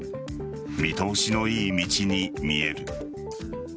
見通しの良い道に見える。